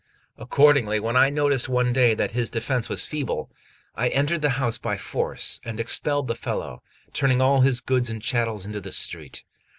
Accordingly, when I noticed one day that his defence was feeble, I entered the house by force, and expelled the fellow, turning all his goods and chattels into the street.